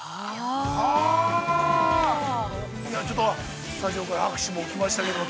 ◆ちょっとスタジオから拍手も起きましたけれども。